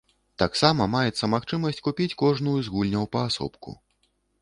Таксама маецца магчымасць купіць кожную з гульняў паасобку.